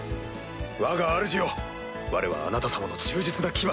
わがあるじよわれはあなた様の忠実な牙。